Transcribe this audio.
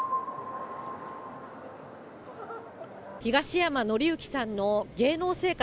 東山紀之さんの芸能生活